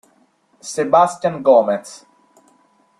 Sebastián Gómez